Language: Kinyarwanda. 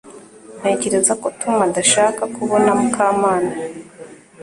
Ntekereza ko Tom adashaka kubona Mukamana